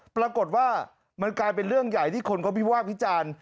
ปรากฏว่ามันกลายเป็นเรื่องใหญ่ที่คนก็วิพากษ์วิจารณ์